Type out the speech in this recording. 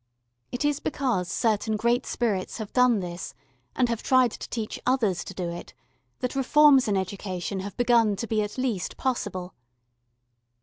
It is because certain great spirits have done this and have tried to teach others to do it, that reforms in education have begun to be at least possible.